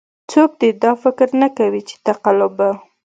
څوک دې دا فکر نه کوي چې تقلب به.